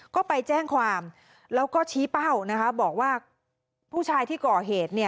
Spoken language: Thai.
ก็ไปแจ้งความแล้วก็ชี้เป้านะคะบอกว่าผู้ชายที่ก่อเหตุ